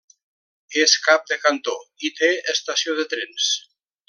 És cap de cantó i té estació de trens.